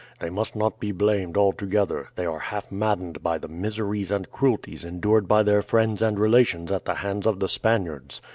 They must not be blamed altogether; they are half maddened by the miseries and cruelties endured by their friends and relations at the hands of the Spaniards.